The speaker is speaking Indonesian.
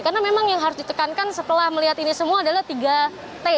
karena memang yang harus ditekankan setelah melihat ini semua adalah tiga t